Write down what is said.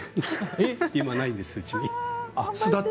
今ないんですよ、うちに。